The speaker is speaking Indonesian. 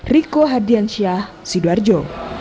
riko hadiansyah sidoarjo